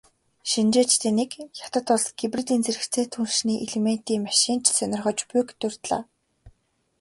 Шинжээчдийн нэг "Хятад улс гибридийн зэрэгцээ түлшний элементийн машин ч сонирхож буй"-г дурдлаа.